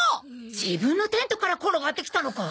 自分のテントから転がってきたのか？